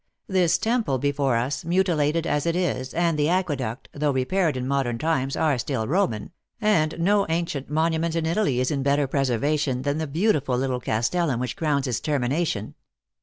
This temple before us, mutilated as it is, and the aqueduct, though re paired in modern times, are still Roman; and no an cient monument in Italy is in better preservation than the beautiful little castellum which crowns its termination.